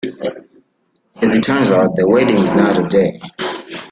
As it turns out, the wedding is not today.